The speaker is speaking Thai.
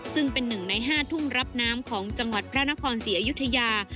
ซึ่งเป็นหนึ่งใน๕ทุ่งรับน้ำของจังหวัดพระนครศรีอยุธยา